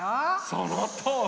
そのとおり。